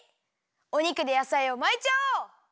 お肉でやさいをまいちゃおう！